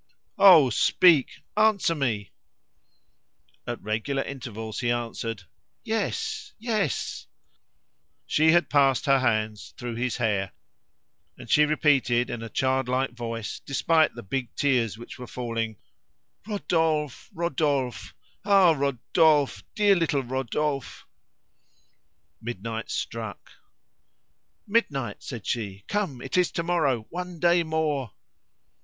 Oh, speak! Answer me!" At regular intervals he answered, "Yes Yes " She had passed her hands through his hair, and she repeated in a childlike voice, despite the big tears which were falling, "Rodolphe! Rodolphe! Ah! Rodolphe! dear little Rodolphe!" Midnight struck. "Midnight!" said she. "Come, it is to morrow. One day more!"